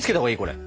これ。